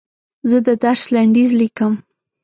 زه د درس لنډیز لیکم.